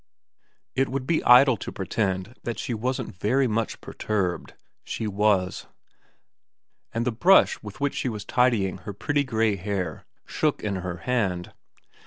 It would be idle to pretend that she wasn't very much perturbed, she was ; and the brush with which she was tidying her pretty grey hair shook in her hand.